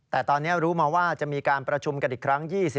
แต่ตอนนี้รู้มาว่าจะมีการประชุมกันอีกครั้ง